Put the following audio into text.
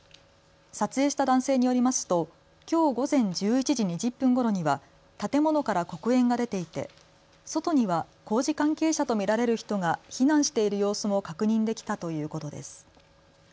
撮影した男性によりますときょう午前１１時２０分ごろには建物から黒煙が出ていて外には工事関係者と見られる人が避難している様子も確認できたということです。